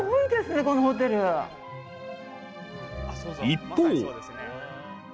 一方。